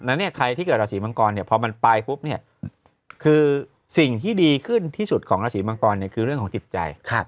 ฉะใครที่เกิดราศีมังกรเนี่ยพอมันไปปุ๊บเนี่ยคือสิ่งที่ดีขึ้นที่สุดของราศีมังกรคือเรื่องของจิตใจ